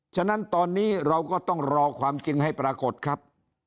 ฉะนั้นตอนนี้เราก็ต้องรอความจริงให้ปรากฏครับ